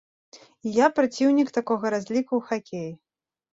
І я праціўнік такога разліку ў хакеі.